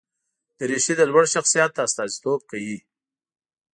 دریشي د لوړ شخصیت استازیتوب کوي.